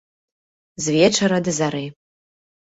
З вечара да зары.